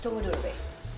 tunggu dulu be